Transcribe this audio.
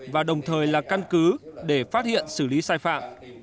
và đồng thời là căn cứ để phát hiện xử lý sai phạm